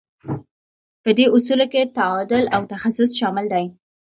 په دې اصولو کې تعادل او تخصص شامل دي.